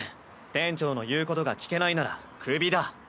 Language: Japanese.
店長の言うことが聞けないならクビだ。